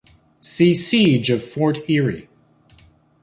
"See Siege of Fort Erie".